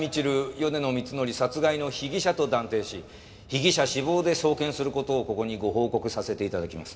米野光則殺害の被疑者と断定し被疑者死亡で送検する事をここにご報告させて頂きます。